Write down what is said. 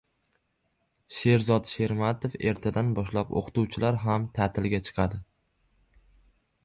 Sherzod Shermatov: «Ertadan boshlab o‘qituvchilar ham ta’tilga chiqadi»